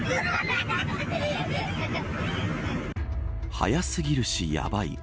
早すぎるし、やばい。